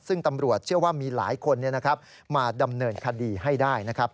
ซึ่งตำรวจเชื่อว่ามีหลายคนมาดำเนินคดีให้ได้นะครับ